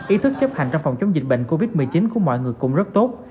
ý thức chấp hành trong phòng chống dịch bệnh covid một mươi chín của mọi người cũng rất tốt